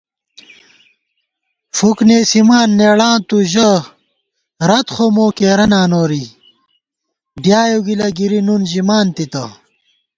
فُک نېسِمان نېڑاں تُو ژَہ رت خو مو کېرَہ نا نوری ڈیائیؤ گِلہ گِری نُن ژِمان تِتہ